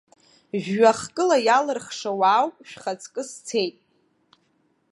Жәҩа хкыла иалырхша уаауп, шәхаҵкы сцеит.